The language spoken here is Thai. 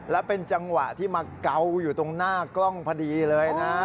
และเป็นจังหวะที่มาเกาอยู่ตรงหน้ากล้องพอดีเลยนะ